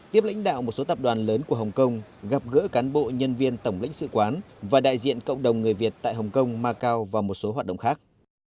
tiếp lãnh đạo một số tập đoàn lớn của hồng kông gặp gỡ cán bộ nhân viên tổng lãnh sự quán và đại diện cộng đồng người việt tại hồng kông macau và một số hoạt động khác